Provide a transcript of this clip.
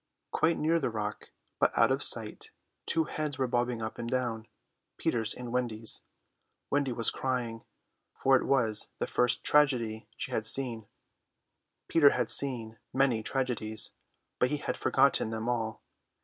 Quite near the rock, but out of sight, two heads were bobbing up and down, Peter's and Wendy's. Wendy was crying, for it was the first tragedy she had seen. Peter had seen many tragedies, but he had forgotten them all.